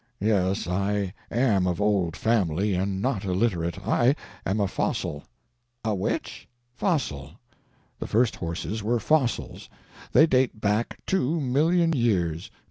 "Yes, I am of old family, and not illiterate. I am a fossil." "A which?" "Fossil. The first horses were fossils. They date back two million years."